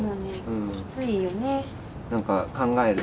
きついよね。